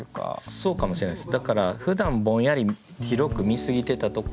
そうかもしれないです。